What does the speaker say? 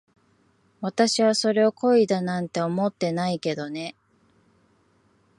私はそれを恋だなんて思ってないけどね。